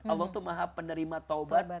allah tuh maha penerima taubat